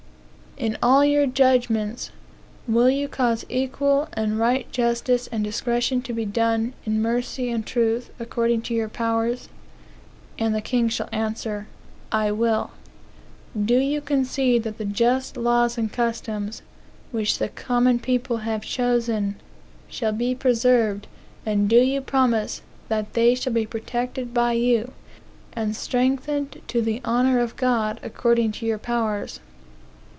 In all your judgments, will you cause equal and right justice and discretion to be done, in mercy and truth, according to your powers? (And the king shall answer,) I will. Do you concede that the just laws and customs, which the common people have chosen, shall be preserved; and do you promise that they shall be protected by you, and strengthened to the honor of God, according to your powers?